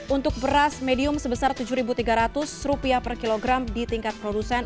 untuk beras medium sebesar rp tujuh tiga ratus per kilogram di tingkat produsen